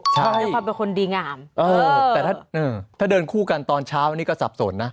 ใช่ความเป็นคนดีงามแต่ถ้าเดินคู่กันตอนเช้านี้ก็สับสนนะ